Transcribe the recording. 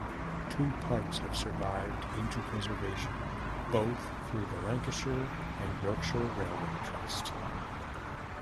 Two "Pugs" have survived into preservation, both through the Lancashire and Yorkshire Railway Trust.